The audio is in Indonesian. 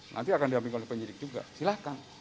nanti akan diambil oleh penyidik juga silahkan